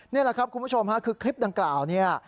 นี่แหละครับคุณผู้ชมฮะคือคลิปดังกล่าวเนี่ย